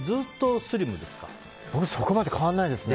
俺、そこまで変わらないですね。